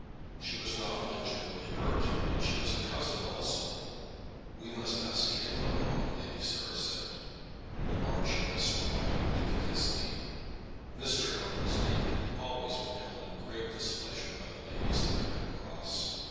She was not only generally hurt, but she was a cousin, also. "We must ask him, mamma," Lady Sarah said. The Marchioness whined piteously. Mr. Houghton's name had always been held in great displeasure by the ladies at Manor Cross.